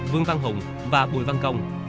vương văn hùng và bùi văn công